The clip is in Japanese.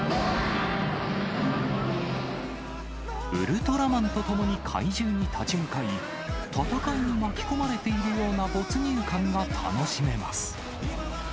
ウルトラマンと共に怪獣に立ち向かい、戦いに巻き込まれているような没入感が楽しめます。